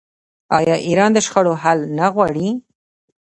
آیا ایران د شخړو حل نه غواړي؟